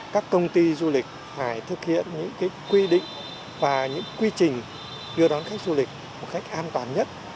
các công ty du lịch phải thực hiện những quy định và những quy trình đưa đón khách du lịch một cách an toàn nhất